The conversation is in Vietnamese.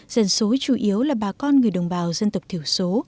dân số chủ yếu là bà con người đồng bào dân tộc thiểu số